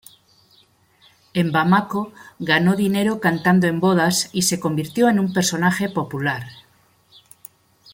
En Bamako ganó dinero cantando en bodas y se convirtió en un personaje popular.